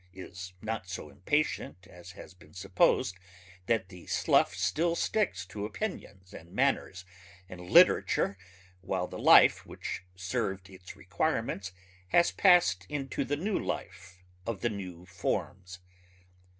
is not so impatient as has been supposed that the slough still sticks to opinions and manners and literature while the life which served its requirements has passed into the new life of the new forms